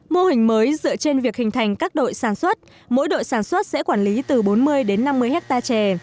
mô hình mới dựa trên việc hình thành các đội sản xuất mỗi đội sản xuất sẽ quản lý từ bốn mươi đến năm mươi hectare chè